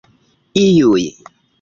iuj